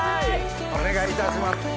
お願いいたします。